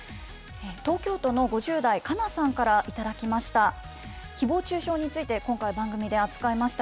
東京都の５０代、かなさんから頂きました。